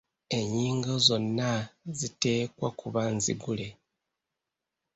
Ennyingo zonna ziteekwa kuba nzigule.